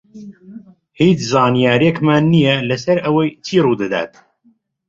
هیچ زانیارییەکمان نییە لەسەر ئەوەی چی ڕوو دەدات.